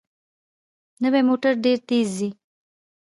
نوې موټر ډېره تېزه ځي